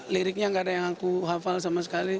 liriknya gak ada yang aku hafal sama sekali